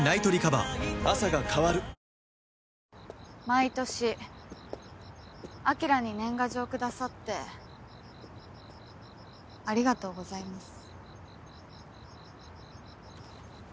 毎年晶に年賀状下さってありがとうございます。